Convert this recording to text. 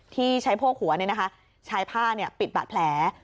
ที่ใช้โพกหัวเนี่ยนะคะใช้ผ้าเนี่ยปิดบาดแผล